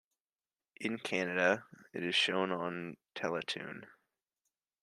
In Canada, it is shown on Teletoon.